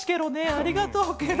ありがとうケロ。